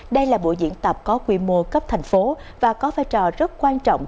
đây là buổi diễn tập có quy mô cấp thành phố và có vai trò rất quan trọng